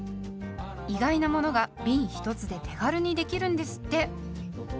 意外なものがびん１つで手軽にできるんですって。